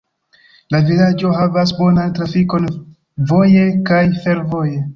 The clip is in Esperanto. La vilaĝo havas bonan trafikon voje kaj fervoje.